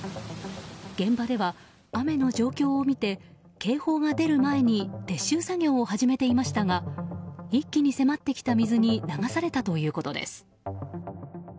現場では雨の状況を見て警報が出る前に撤収作業を始めていましたが一気に迫ってきた水に流されたということです。